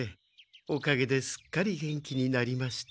おかげですっかり元気になりました。